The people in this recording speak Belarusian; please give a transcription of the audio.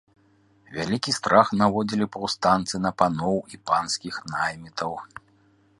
Вялікі страх наводзілі паўстанцы на паноў і панскіх наймітаў.